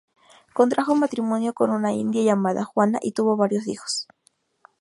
Contrajo matrimonio con una india llamada Juana y tuvo varios hijos.